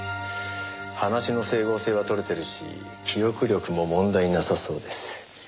話の整合性は取れてるし記憶力も問題なさそうです。